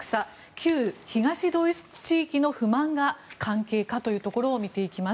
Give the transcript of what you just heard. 旧東ドイツ地域の不満が関係かというところを見ていきます。